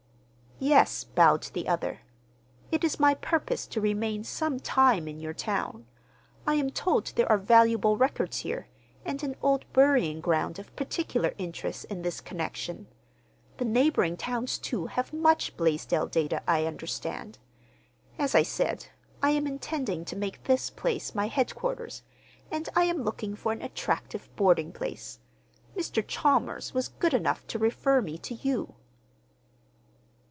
"Yes," bowed the other. "It is my purpose to remain some time in your town. I am told there are valuable records here, and an old burying ground of particular interest in this connection. The neighboring towns, too, have much Blaisdell data, I understand. As I said, I am intending to make this place my headquarters, and I am looking for an attractive boarding place. Mr. Chalmers was good enough to refer me to you."